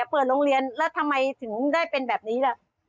เปิดโรงเรียนแล้วทำไมถึงได้เป็นแบบนี้ล่ะ